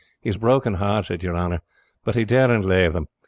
He is broken hearted, your honor, but he daren't lave them.